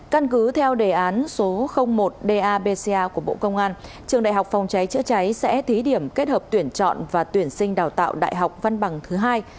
căn cứ theo đề án số một dabca của bộ công an trường đại học phòng cháy chữa cháy sẽ thí điểm kết hợp tuyển chọn và tuyển sinh đào tạo đại học văn bằng thứ hai